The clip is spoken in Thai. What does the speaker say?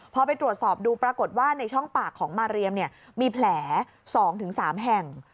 พอไปตรวจสอบดูปรากฏว่าในช่องปากของมาเรียมมีแผล๒๓แห่ง